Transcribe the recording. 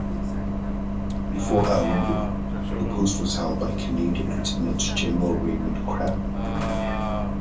Before Al-Rodan, the post was held by Canadian Lieutenant General Raymond Crabbe.